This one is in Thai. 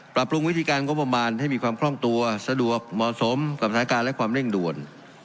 ปรับปรุงวิธีการงบประมาณให้มีความคล่องตัวสะดวกเหมาะสมกับสถานการณ์และความเร่งด่วน